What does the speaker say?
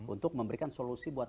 untuk memberikan solusi buat